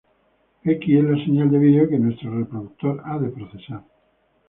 X es la señal de vídeo que nuestro reproductor ha de procesar.